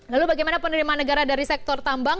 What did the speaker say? lalu bagaimana penerimaan negara dari sektor tambang